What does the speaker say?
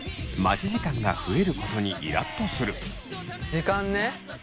時間ね。